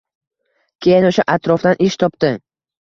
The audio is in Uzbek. Keyin o‘sha atrofdan ish topdi.